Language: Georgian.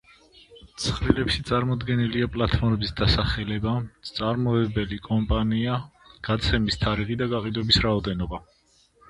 ცხრილებში წარმოდგენილია პლატფორმის დასახელება, მწარმოებელი კომპანია, გამოცემის თარიღი და გაყიდვების რაოდენობა.